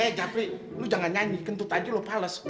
eh eh jafri lu jangan nyanyi kentut aja lu pales